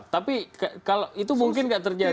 tapi itu mungkin nggak terjadi